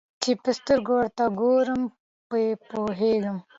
چي په سترګو ورته ګورم په پوهېږم